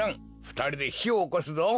ふたりでひをおこすぞ。